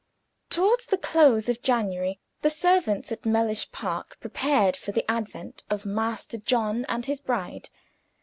Toward the close of January, the servants at Mellish Park prepared for the advent of Master John and his bride.